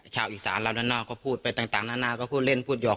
ชาวอีกสามแล้วนั่นหน้าก็พูดไปต่างต่างนั่นหน้าก็พูดเล่นพูดหยอก